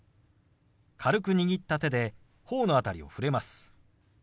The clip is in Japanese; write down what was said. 軽く握った手で頬の辺りを触れます。